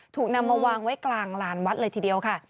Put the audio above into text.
ถูกนำมาวางไว้กลางลานวัดเลยทีเดียวค่ะ